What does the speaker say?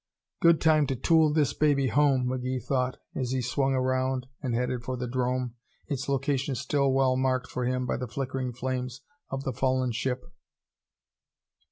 "Good time to tool this baby home," McGee thought as he swung around and headed for the 'drome, its location still well marked for him by the flickering flames of the fallen ship.